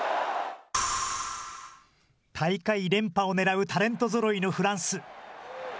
大会連覇をねらうタレントぞろいのフランス。